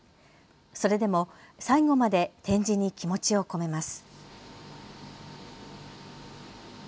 それでも最後まで展示に気持ちを込めます。